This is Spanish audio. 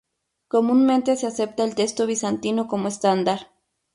Comúnmente se acepta el texto bizantino como estándar.